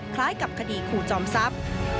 คล้ายกับคดีขู่จอมซับ